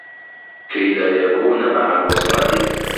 كَيْ لَا يَكُونَ مَعَ الْوَصْمَةِ